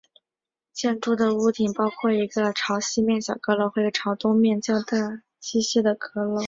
建筑的屋顶包括一个朝西面的小阁楼和一个朝东面较大机械阁楼。